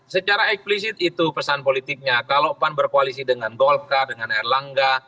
secara eksplisit itu pesan politiknya kalau pan berkoalisi dengan golkar dengan erlangga